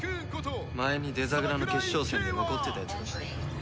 前にデザグラの決勝戦で残ってたやつらだ。